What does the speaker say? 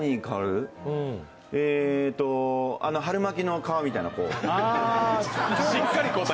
えーと、春巻きの皮みたいな？